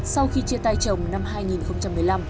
sau khi chia tay trồng năm hai nghìn một mươi năm